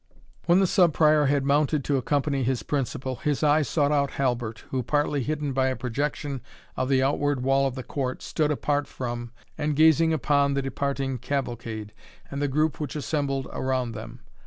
When the Sub Prior had mounted to accompany his principal, his eye sought out Halbert, who, partly hidden by a projection of the outward wall of the court, stood apart from, and gazing upon the departing cavalcade, and the group which assembled around them.